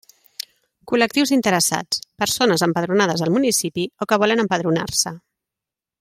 Col·lectius d'interessats: persones empadronades al municipi o que volen empadronar-se.